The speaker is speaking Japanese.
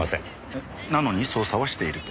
えなのに捜査はしていると。